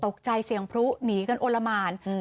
ตกใจเสียงพลุหนสนะดูอ่อนละหวานอืม